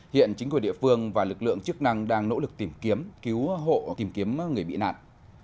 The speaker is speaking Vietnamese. hiện chính quyền địa phương và lực lượng chức năng đang nỗ lực tìm kiếm cứu hộ tìm kiếm người bị nạn